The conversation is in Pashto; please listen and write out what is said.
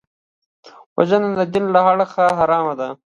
وژنه د دین له اړخه حرامه ده